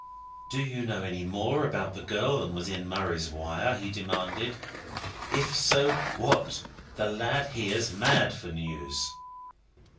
"Do you know any more about the girl than was in Murray's wire?" he demanded. "If so, what? The lad here's mad for news!"